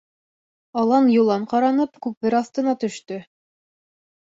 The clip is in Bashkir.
Алан-йолан ҡаранып күпер аҫтына төштө.